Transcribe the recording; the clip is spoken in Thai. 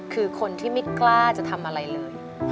คือคนที่ไม่กล้าจะทำอะไรเลย